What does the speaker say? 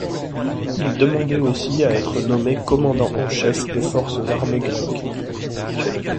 Il demandait aussi à être nommé Commandant en Chef des forces armées grecques.